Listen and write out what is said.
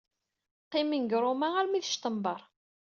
Qqimen deg Roma armi d Ctembeṛ.